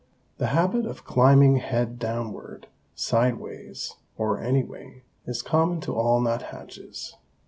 The habit of climbing head downward, sidewise, or any way, is common to all nuthatches.